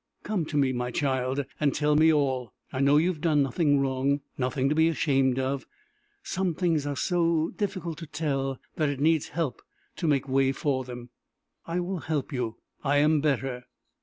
Come to me, my child, and tell me all. I know you have done nothing wrong, nothing to be ashamed of. Some things are so difficult to tell, that it needs help to make way for them: I will help you. I am better.